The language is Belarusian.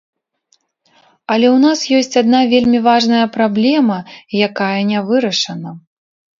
Але ў нас ёсць адна вельмі важная праблема, якая не вырашана.